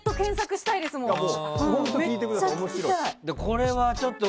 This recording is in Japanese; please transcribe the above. これはちょっと。